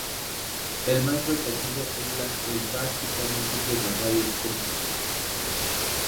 El más repetido es la esvástica múltiple de radios curvos.